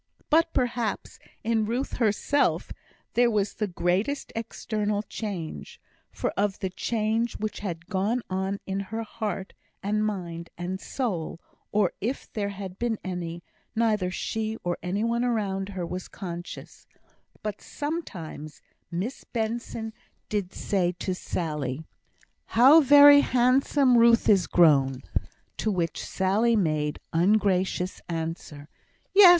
But, perhaps, in Ruth herself there was the greatest external change; for of the change which had gone on in her heart, and mind, and soul, or if there had been any, neither she nor any one around her was conscious; but sometimes Miss Benson did say to Sally, "How very handsome Ruth is grown!" To which Sally made ungracious answer, "Yes!